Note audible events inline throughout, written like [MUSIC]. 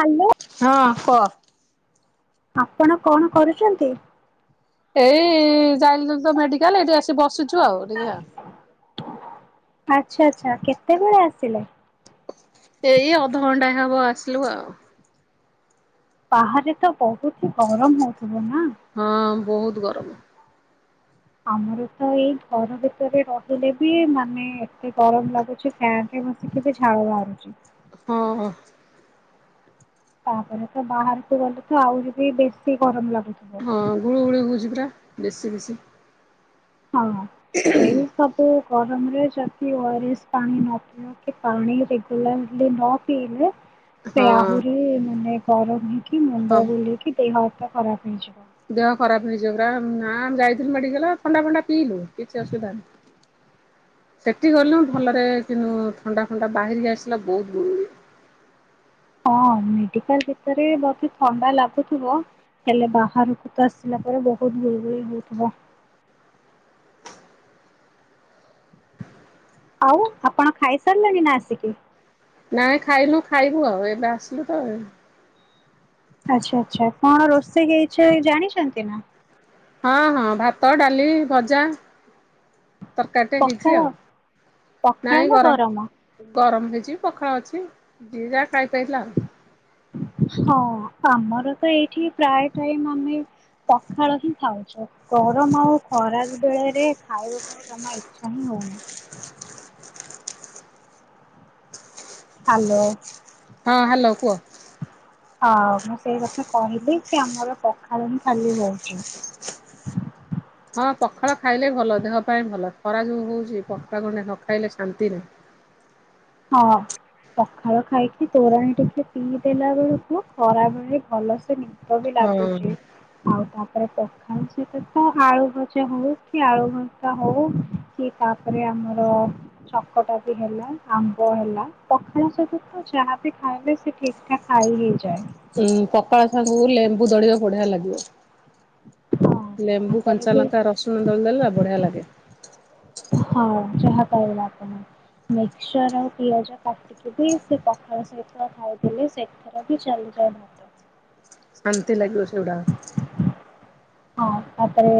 Hello. ହଁ କଅ। ଆପଣ କଣ କରୁଚନ୍ତି? ଏଇ ଯାଇଲୁ ତ ମେଡିକାଲ ଏଇଠି ଆସି ବସିଛୁ ଆଉ ଟିକେ ଆଉ। ଆଛା ଆଚ୍ଛା କେତେବେଳେ ଆସିଲେ? ସେଇ ଅଧଘଣ୍ଟା ହେବ ଆସିଲୁ ଆଉ। ବାହାରେ ତ ବହୁତି ଗରମ ହଉଥିବ ନା। ହଁ ବହୁତ ଗରମ। ଆମର ତ ଏଇ ଘର ଭିତରେ ରହିଲେ ବି ମାନେ ଏତେ ଗରମ ଲାଗୁଚି। ଫ୍ୟାନ ରେ ବସିକି ବି ଝାଳ ବାହାରୁଚି। ହଁ ହଁ। ତାପରେ ତ ବାହାରକୁ ଗଲେ ତ ଆହୁରି ବି ବେଶୀ ଗରମ ଲାଗୁଥୁବ। ହଁ ଗୁଳୁ ଗୁଳି ହେଉଛି ପୁରା ବେଶୀ ବେଶୀ। ହଁ ଏଇ ସବୁ ଗରମରେ ଯଦି ଓଆରେସ ପାଣି ନ ପିଇ ଅ କି ପାଣି ରେଗୁଲାର୍ଲି ନ ପିଇଲେ ସେ ହଁ। ଆହୁରି ମାନେ ଗରମ ହେଇକି ହଁ ମୁଣ୍ଡ ବୁଲେଇକି ଦେହ ହାତ ଖରାପ ହେଇଯିବ। ଦେହ ଖରାପ ହେଇଯିବ ପୁରା ନା ଆମେ ଯାଇଥିଲୁ ମେଡିକାଲ ଥଣ୍ଡା ଫଣ୍ଡା ପିଇଲୁ କିଛି ଅସୁବିଧା ନାଇଁ। ସେଠି ଗଲୁ ଉଁ ଭଲରେ କିନ୍ତୁ ଥଣ୍ଡା ଫଣ୍ଡା ବାହାରିକି ଆସିଲା ବହୁତ ଗୁଳୁ ଗୁଳି। ହଁ ମେଡିକାଲ ଭିତରେ ବତି ଥଣ୍ଡା ଲାଗୁଥିବ। ହେଲେ ବାହାରକୁ ତ ଆସିଲା ପରେ ବହୁତ ଗୁଳିଗୁଳି ହଉଥିବ। ଆଉ ଆପଣ ଖାଇସାରିଲେଣି ନା ଆସିକି? ନାଇଁ ଖାଇନୁ ଖାଇବୁ ଆଉ ଏବେ ଆସିଲୁ ତ ଏ ଆଚ୍ଛା ଆଚ୍ଛା କଣ ରୋଷେଇ ହେଇଚି ଜାଣିଚନ୍ତି ନା? ହଁ ହଁ ଭାତ ଡାଲି ଭଜା। ତରକାରୀ ଟେ ହେଇଚି ପଖାଳ। ଆଉ ପଖାଳ ନାଇଁ ନା ଗରମ ଗରମ ହେଇଚି ପଖାଳ ଅଛି ଯିଏ ଯା ଖାଇପାରିଲା ଆଉ। ହଁ ଆମର ତ ଏଇଠି ପ୍ରାୟ ଟାଇମ ଆମେ ପଖାଳ ହିଁ ଖାଉଚୁ ଗରମ ଆଉ ଖରା ବେଳରେ ଖାଇବାକୁ ଜମା ଇଚ୍ଛା ହିଁ ହଉନି। ହାଲୋ। ହଁ ହ୍ୟାଲୋ କୁଅ। ହଉ ମୁଁ ସେଇ କଥା କହିଲି କି ଆମର ପାଖାଳ ହିଁ ଖାଲି ହଉଛି। ହଁ ପଖାଳ ଖାଇଲେ ଭଲ ଦେହ ପାଇଁ ଭଲ ଖରା ଯେଉ ହଉଛି ପଖାଳ ଗଣ୍ଡେ ନ ଖାଇଲେ ଶାନ୍ତି ନାହିଁ। ହଁ। ପଖଳ ଖାଇକି ତୋରନି ଟିକେ ପିଇ ଦେଲା ବେଳକୁ ଖରାବେଳେ ଭଲସେ ନି ତ ବି ହଁ ଲାଗୁଛି। ଆଉ ତାପରେ ପଖାଳ ସହିତ ତ ଆଳୁ ଭଜା ହଉ କି ଆଳୁ ଭଜା ହଉ। କି ତାପରେ ଆମର ଚକଟା ବି ହେଲା। ଆମ୍ବ ହେଲା ପଖାଳ ସବୁ ତ ଯାହା ବିି ଖାଇଲେ ସେ ଠିକ ଠାକ ଖାଇହେଇଯାଏ। ଉଁ ପଖଳ ସାଙ୍ଗୁ ଲେମ୍ବୁ ଦଳିବା ବଢିଆ ଲାଗିବ। ହଁ ଲେମ୍ବୁ ତାପରେ କଞ୍ଚା ବି ଲଙ୍କା ରସୁଣ ଦଳିଦଲା ବଢିଆ ଲାଗେ। ହଁ ଯାହା କହିଁଲ ଆଣ ମିକସଚର ଆଉ ପିଆଜ ସେ ବି ସେ ପଖାଳ ସହିତ ଖାଇଥିଲେ ସେଥିର ବି ଚାଲିଯାଉନାନ୍ତି। ଶାନ୍ତି ଲାଗିବ ସେଗୁଡାକ। ହଁ ତାପରେ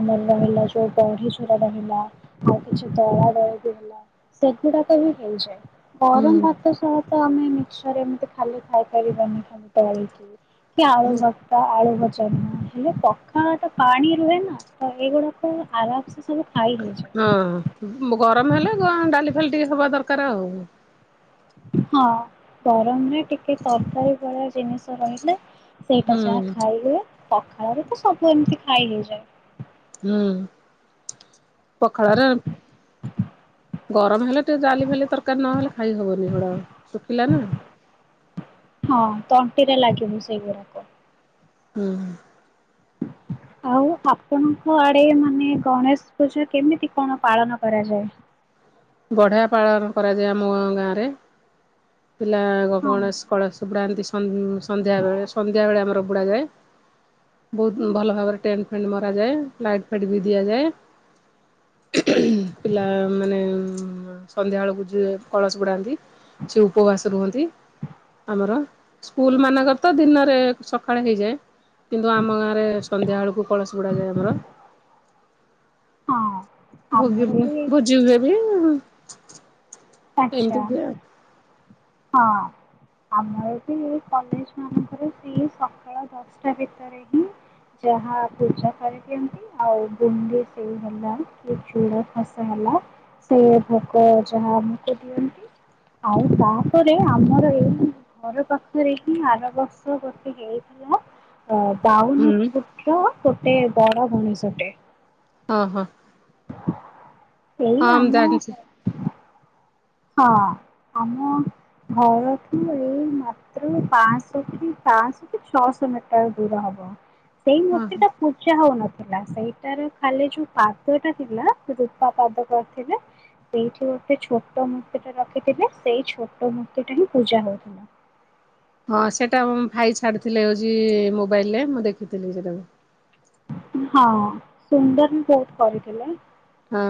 ଆମର ରହିଲା ଯୋଉ ବଢି ଚୁରା ରହିଲା ଆଉ କିଛି ଦଳାଦଲି ବି ହେଲା। ସେଗୁଡାକ ବି ହେଇଯାଏ। ହୁଁ ଗରମ ଭାତ ସହ ତ ଆମେ ମିକ୍ସର ଏମିତି ଖାଲି ଖାଇପାରିବାନି ଦଳିକି। କି ଆଳୁ ଭର୍ତା ଆଳୁ ଭଜା ନୁହ ହେଲେ ହ ତ ପାଣି ରୁହେ ନା ତ ଏଇଗୁଡାକୁ ଆରାମସେ ସବୁ ଖାଇ ହେଇଯାଏ। ହଁ ଗରମ ହେଲେ ଡାଲି ଫାଲି ଟିକେ ହେବା ଦରକାର ଆଉ। ହଁ ଗରମରେ ଟିକେ ତରକାରୀ ଭଳିଆ ଜିନିଷ ରହିଲେ। ସେଇଟା ଯାହା ହୁଁ। ଖାଇ ହୁଏ। ପଖାଳରେ ତ ସବୁ ଏମିତି ଖାଇ ହେଇଯାଏ। ହୁଁ ପଖାଳରେ ଗରମ ହେଲେ ଟିକେ ଜା ଫାଲି ତରକାରୀ ନହେଲେ ଖାଇ ହବନି ହେଗୁଡା ଶୁଖିଲା ନା। ହଁ ତଣ୍ଟିରେ ଲାଗିବ ସେଇଗୁଡାକ। ହୁଁ। ଆଉ ଆପଣଙ୍କ ଆଡେ ମାନେ ଗଣେଶ ପୂଜା କେମିତି କଣ ପାଳନ କରାଯାଏ? ବଢିଆ ପାଳନ କରାଯାଏ ଆମ ଗାଁରେ। ପିଲା ହଁ। ଗଣେଶ କଳସ ବୁଡାନ୍ତି ସନ୍ ସନ୍ଧ୍ୟାବେଳେ ସନ୍ଧ୍ୟା ବେଳେ ଆମର ବୁଡା ଯାଏ। ବହୁତ ଭଲ ଭାବରେ ଟେଣ୍ଟ ଫେଣ୍ଟ ମରା ଯାଏ। ଲାଇଟ ଫାଇଟ ବି ଦିଆଯାଏ। ପିଲା ମାନେ ଉ ସନ୍ଧ୍ୟାବେଳକୁ ଯିଏ କଳସ ବୁଡାନ୍ତି ସେ ଉପବାସ ରୁହନ୍ତି ଆମର ସ୍କୁଲ ମାନଙ୍କର ତ ଦିନରେ ସକାଳେ ହେଇଯାଏ। କିନ୍ତୁ ଆମ ଗାଁରେ ସନ୍ଧ୍ୟାବେଳକୁ କଳସ ବୁଡ଼ାଯାଏ ଆମର। ହଁ ଆମର ଭୋଗିବ ବି ଭୋଜି ହୁଏ ବି। ଏମିତି ଆଚ୍ଛା ହୁଏ ଆଉ ହଁ। ଆମର ବି କଲେଜ ମାନଙ୍କରେ ସେଇ ସକାଳ ଦଶଟା ଭିତରେ ହିଁ ଯାହା ପୂଜା କରିଦିଅନ୍ତି। ଆଉ ବୁନ୍ଦୀ ସେଓ ହେଲା କି ଚୁଡ଼ା ଘସା ହେଲା ସେ ଭୋଗ ଯାହା ଆମକୁ ଦିଅନ୍ତି। ଆଉ ତାପରେ ଆମର ଏଇ ଘର ପାଖରେ ହିଁ ଆର ବର୍ଷ ଗୋଟେ ହେଇଥିଲା ଅ ବାଉ ହୁଁ। ଗୋଟେ ବଡ ଗଣେଶ ଟେ ହଁ ହଁ। [INAUDIBLE] ହଁ ମୁଁ ଆମ ଜାଣିଛି। ହଁ ଆମ ଘରଠୁ ଏଇ ମାତ୍ର ପାଁ ଶହ କି ଛଅଶହ ମିଟର ଦୂର ହବ। [INAUDIBLE] ସେଇ ମୂର୍ତ୍ତି ଟା ପୂ ଜା ହଉନଥିଲା ସେଇଟାର ଖାଲି ଯୋଉ ପାଦଟା ଥିଲା ରୂପା ପାଦ କରିଥିଲେ ସେଇଠି ଗୋଟେ ଛୋଟ ମୂର୍ତ୍ତି ଟା ରଖିଥିଲେ ସେଇ ଛୋଟ ମୂର୍ତ୍ତି ଟା ହିଁ ପୂଜା ହଉଥିଲା। ହଁ ସେଇଟା ମୋ ଭାଇ ଛାଡ଼ିଥିଲେ ହଉଛି ମୋବାଇଲରେ ମୁଁ ଦେଖିଥିଲି ସେଇଟାକୁ। ହଁ ସୁନ୍ଦର ବି ବହୁତ କରିଥିଲେ। ହଁ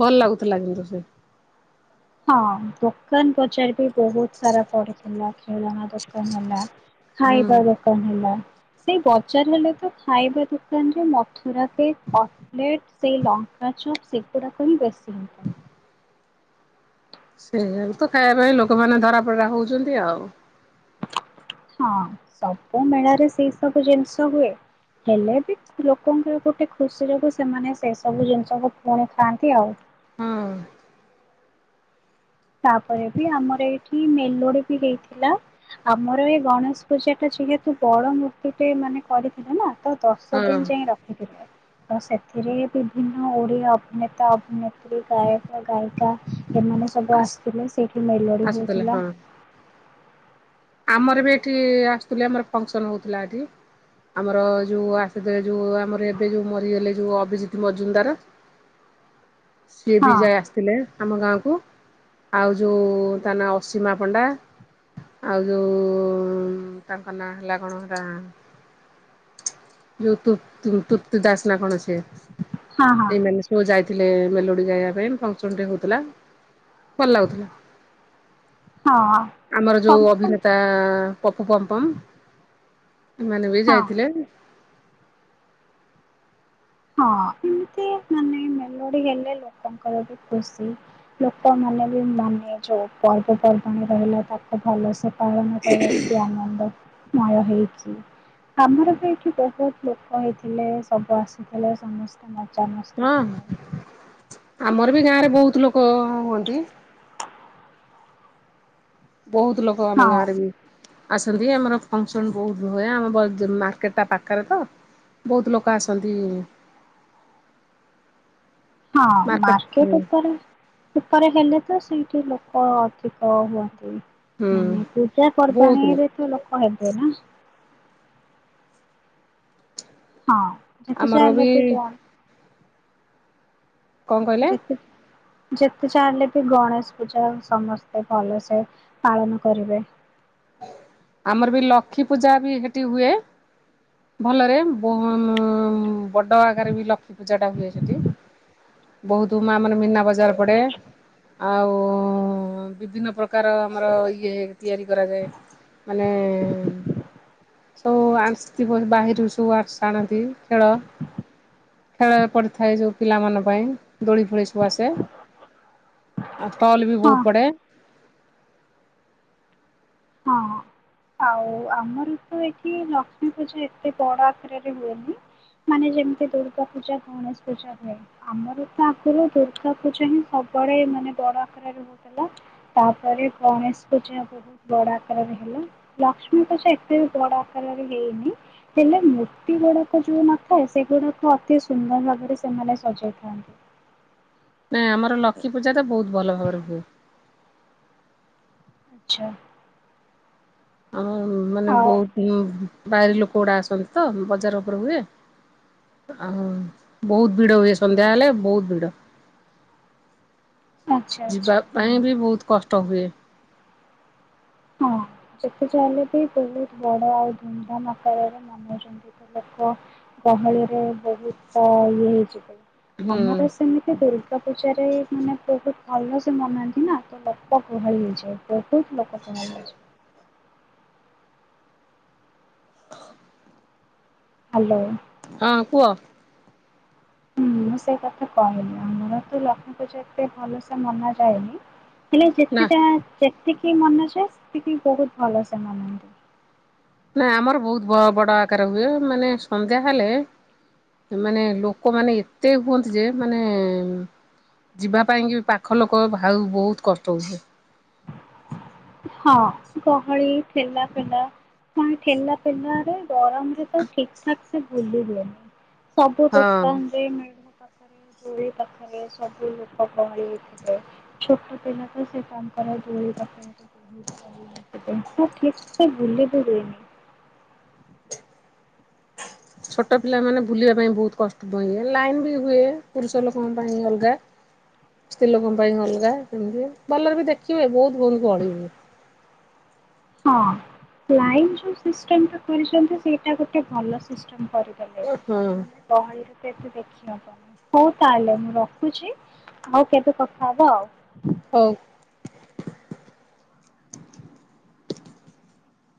ଭଲ ଲାଗୁଥିଲା କିନ୍ତୁ ସେ ହଁ ଦୋକାନ ବଜାର ବି ବହୁତ ସାରା ପଡିଥିଲା ଖେଳନା ଦୋକାନ ହେଲା ହୁଁ। ଖାଇବା ଦୋକାନ ହେଲା। ସେଇ ବଜାର ହେଲେ ତ ଖାଇବା ଦୋକାନରେ ମଥୁରା କେକ ଅ ଲେଟ ସେ ଲଙ୍କାଚପ ସେଗୁଡ଼ାକ ହିଁ ବେଶୀ। ସେଇଆକୁ ତ ଖାଇବା ପାଇଁ ଲୋକମାନେ ଧରାପରା ହଉଛନ୍ତି ଆଉ। ହଁ ସବୁ ମେଳାରେ ସେଇ ସବୁ ଜିନିଷ ହୁଏ। ହେଲେ ବି ଲୋକଙ୍କର ଗୋଟେ ଖୁସି ଯୋଗୁ ସେମାନେ ସେ ସବୁ ଜିନିଷକୁ ପୁଣି ଖାଆନ୍ତି ଆଉ। ହଁ ତାପରେ ବି ଆମର ଏଇଠି ମେଲୋଡି ବି ହେଇଥିଲା। ଆମର ଏଇ ଗଣେଶ ପୂଜା ଟା ଯେହେତୁ ବଡ ମୂର୍ତ୍ତି ଟେ ମାନେ କରିଥିଲେ ନା ତ ଦଶ ହଁ ଦିନ ଯାଏ ର ଖିଥିଲେ। ତ ସେଥିରେ ବିଭିନ୍ନ ଓଡ଼ିଆ ଅଭିନେତା ଅଭିନେତ୍ରୀ ଗାୟକ ଗାୟିକା ଏମାନେ ସବୁ ଆସ ଆସିଥିଲେ ସେଇଠି ମେଲୋଡି ଆସୁଥିଲେ ହଉଥିଲା। ହଁ ଆମର ବି ଏଠି ଆସୁଥିଲେ ଆମର ଫଙ୍କସନ ହଉଥିଲା ଏଠି। ଆମର ଯୋଉ ଆସିଥିଲେ ଯୋଉ ଆମର ଏବେ ଯୋଉ ମରିଗଲେ ଯୋଉ ଅଭିଜିତ ମଜୁନଦାର ସିଏ ବି ହଁ ଯାଇ ଆସିଥିଲେ ଆମ ଗାଁ କୁ ଆଉ ଯୋଉ ତା ନା ଅସୀମା ପଣ୍ଡା। ଆଉ ଯୋଉ ତାଙ୍କ ନାଁ ହେଲା କଣ ରା ଯୋଉ ତୃ-ତୃ-ତୃର୍ତୀ ଦାସ ନା କଣ ସେ ହଁ ହଁ ଏଇମାନେ ପୁଅ ଯାଇଥିଲେ ମେଲୋଡି ଗାଇବା ପାଇଁ ଫଙ୍କସନ ଟେ ହଉଥିଲା। ଭଲ ଲାଗୁଥିଲା ହଁ ଆମର ଯୋଉ ସମସ୍ତ ଅଭିନେତା ପପୁ ପମ୍ପମ୍ ଏମାନେ ବି ହଁ। ଯାଇଥିଲେ। ହଁ ଏମିତି ମାନେ ମେଲୋଡି ହେଲେ ଲୋକଙ୍କର ବି ଖୁସି। ଲୋକମାନେ ବି ମାନେ ଯୋଉ ପର୍ବପର୍ବାଣି ରହିଲା ତାକୁ ଭଲସେ ପାଳନ କରିବା ଅତି ଆନନ୍ଦ। ମୟ ହେଇଛି ଆମର ବି ଏଇଠି ବହୁତ ଲୋକ ହେଇଥିଲେ ସବୁ ଆସ ଥିଲେ ସମସ୍ତେ ହଁ ମଜାମସ୍ତି କଲେ। ଆମର ବି ଗାଁରେ ବହୁତ ଲୋକ ହୁଅନ୍ତି। ବହୁତ ଲୋକ ଆମ ହଁ ଗାଁରେ ବି ଆସନ୍ତି ଆମର ଫଙ୍କସନ୍ ବହୁତ ହୁଏ ଆମ ବଜା ମାର୍କେଟ ଟା ପାଖରେ ତ। ବହୁତ ଲୋକ ଆସନ୍ତି। ହଁ ମାର୍କେଟ ଉପରେ ଉପରେ ହେଲେ ତ ସେଇଠି ଲୋକ ଅଧିକ ହୁଅନ୍ତି। ହୁଁ ମାନେ ପୂଜା ବହୁତ ପର୍ବାଣୀ ଲୋକ ରେ ତ ଲୋକ ହେବେ ନା। ହଁ ଯେତେ ସୋୟା ଆମର ବି ହେଲେବି କମ୍। କଣ କହିଲେ ଯେତେ ଯେତେ ଯାହା ହେଲେବି ଗଣେଶ ପୂଜା ସମସ୍ତେ ଭଲସେ ପାଳନ କରିବେ। ଆମର ବି ଲଖୀ ପୂଜା ବି ସେଠି ହୁଏ। ଭଲରେ ବ-ଅ ବଡ ଆକାରେ ବି ଲକ୍ଷ୍ମୀ ପୂଜା ଟା ହୁଏ ସେଠି। ବହୁତ ମା ମାନେ ମିନା ବଜାର ପଡେ ଆଉ ବିଭିନ୍ନ ପ୍ର ପ୍ରକାର ଆମର ଇଏ ତିଆରି କରାଯାଏ ମାନେ ସବୁ ଆସିଥିବ ବାହିରୁ ସବୁ ଆସି ଆଣନ୍ତି ଖେଳ ଖେଳରେ ପଡ଼ିଥାଏ ଯୋଉ ପିଲାମାନ ପାଇଁ ଦୋଳି ଫୋଳି ସ ବୁ ଆସେ ଆଉ ଷ୍ଟଲ ବି ହଁ ବହୁତ ପଡେ। ହଁ। ଆଉ ଆମର ତ ଏଠି ଲକ୍ଷ୍ମୀ ପୂଜା ଏତେ ବଡ ଆତ୍ରରେ ହୁଏନି ମାନେ ଯେମିତି ଦୁର୍ଗା ପୂଜା ଗଣେଶ ପୂଜା ହୁଏ। ଆମର ତ ଆଗରୁ ଦୁର୍ଗା ପୂଜା ହିଁ ସବୁଆଡେ ମାନେ ବଡ ଆକାରରେ ହଉଥିଲା। ତାପରେ ଗଣେଶ ପୂଜା ବହୁ ବୋଡା ଆକାରରେ ହେଲା ଲକ୍ଷ୍ମୀ ତ ସେ ଏତେ ବୋଡ଼ା ଆକାରରେ ହେଇନି ହେଲେ ମୂର୍ତ୍ତି ଗୁଡ଼ାକ ଯଉ ନଥାଏ ସେଗୁଡ଼ାକ ଅତି ସୁନ୍ଦର ଭାବରେ ସେମାନେ ସଜାଇଥାନ୍ତି। ନାଇଁ ଆମର ଲକ୍ମୀ ପୂଜା ତ ବହୁତ ଭଲ ଭାବରେ ହୁଏ ଆଚ୍ଛା ଆମର ମାନେ ଆଉ ବହୁତ ବାହାରି ଲୋକ ଗୁଡା ଆସନ୍ତି ତ ବଜାର ଉପର ହୁଏ। ଆଓ ବହୁତ ଭିଡ ହୁଏ ସନ୍ଧ୍ୟା ହେଲେ ବହୁତ ଭିଡ ଆଚ୍ଛା ଯିବା ଆଚ୍ଛା ହଁ ପାଇଁ ବି ବହୁତ କଷ୍ଟ ହୁଏ। ହଁ ଯେତେ ଯା ହେଲେ ବି ବହୁତ ବଡ ଆଉ ଧୁମଧାମ ଆକାରରେ ମନଉଛନ୍ତି ବ ଲୋକ ଗହଳିରେ ବହୁତଅ -ଇଏ ହେଇଚି ହୁଁ ଆମର ସେମିତି ଦୁର୍ଗା ଦ ପୂଜାରେ ମାନେ ବହୁତ ଭଲ ସେ ମନାନ୍ତି ନା ତ ଲୋକ ଗୁହଳି ହେଇଯାଏ ବହୁତ ଲ ଣଛି [UNINTELLIGIBLE] ହ୍ୟାଲୋ ହଁ କୁହ ହୁଁ ମୁଁ ସେଇ କଥା କହିଲି ଆମର ତୁ ଲକ୍ଷ୍ମୀ ପୂଜା ଏତେ ଭଲସେ ମନା ଯାଏନି ହେଲେ ନା ଯେତେଟା ଯେତିକି ମନାଯାଏ ସେତିକି ବହୁତ ଭଲସେ ମନାନ୍ତି। ନା ଆମର ବହୁତ ବ ବଡ ଆକାର ହୁଏ ମାନେ ସନ୍ଧ୍ୟା ହେଲେ ମାନେ ଲୋକମାନେ ଏତେ ହୁଅନ୍ତି ଯେ ମାନେ ଯିବା ପାଇଁକି ବି ପାଖ ଲୋକ ଭାଉ ବହୁତ କଷ୍ଟ ହଉ ହଁ ଗହଳି ଠେଲା ପେଲା ମାନେ ଠେଲା ପେଲାରେ ଗରମ ରେ ତ ଠିକ ଠାକ ସେ ଭୁଲିହୁଏନି ସବୁ ହଁ। ଦୋକାନ ରେ ମିଳ ପୋରି ପାଖରେ ସବୁ ଲୋକ ଗହଳି ହେଇଥାଏ ଛୋଟ ପିନ ତ ସେ ମୁଁ ଠିକ ସେ ବୁଲି ବି ହୁଏନି। ଛୋଟ ପିଲାମାନେ ବୁଲିବା ପାଇଁ ବହୁତ କଷ୍ଟ ହୁଏ ଲାଇନ୍ ବି ହୁଏ ପୁରୁଷ ଲୋକଙ୍କ ପାଇଁ ଅଲଗା ସ୍ତ୍ରୀ ଲୋକଙ୍କ ପାଇଁ ଅଲଗା ସେମିତି ଭଲରେ ବି ଦେଖି ହୁଏ ବହୁତ ବହୁତ ଗଳି ହୁଏ। ହଁ ଲାଇନ ଯୋଉ ସିଷ୍ଟମ ଟା କରିଛନ୍ତି ସେଇଟା ଗୋଟେ ଭଲ ସିଷ୍ଟମ କରିପାରି ଉଁ ହୁଁ। ଗହଳିରେ ତ ଏତେ ଦେଖିଅ ହଉ ତାହେଲେ ମୁଁ ରଖୁଛି ଆଉ କେବେ କଥା ହବ ଆଉ। ହଉ।